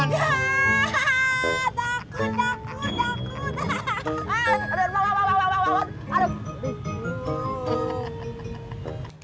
aduh rumah rumah rumah